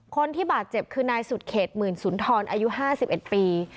คนที่บาดเจ็บคือนายสุดเขตหมื่นศุนย์ทรอายุห้าสิบเอ็ดปี